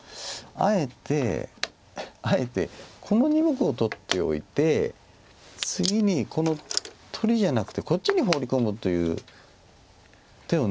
あえてこの２目を取っておいて次にこの取りじゃなくてこっちにホウリ込むという手を狙いに。